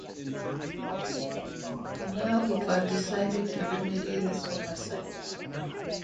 Now it was decided to remedy this oversight.